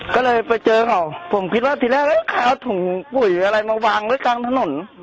ก็เลยไปเจอเขาผมคิดว่าทีแรกเขาเอาถุงปุ๋ยอะไรมาวางไว้กลางถนน